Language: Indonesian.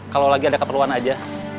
kalau lagi ada keperluan aja